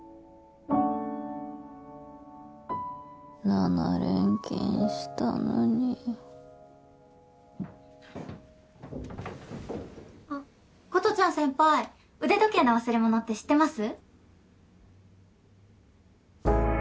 ７連勤したのにあっ琴ちゃん先輩腕時計の忘れ物って知ってます？